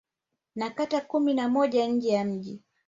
Na kata kumi na moja nje ya mji